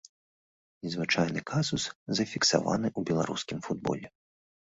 Незвычайны казус зафіксаваны ў беларускім футболе.